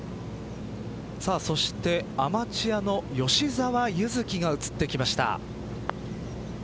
そしてアマチュアの吉澤柚月が映ってきました。